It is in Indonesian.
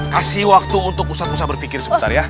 kasih waktu untuk ustadz musa berfikir sebentar ya